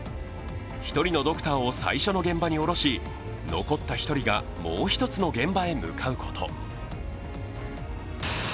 １人のドクターを最初の現場に降ろし、残った１人がもう一つの現場へ向かうこと。